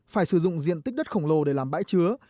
phải sử dụng diện tích đất khổng lồ để làm bãi chứa